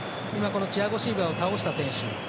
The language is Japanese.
チアゴ・シウバを倒した選手。